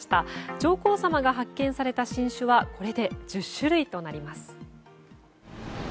上皇さまが発見された新種はこれで１０種類となります。